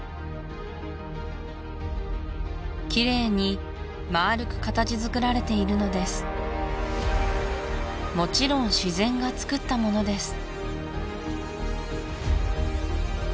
きれいにまあるく形づくられているのですもちろん自然がつくったものです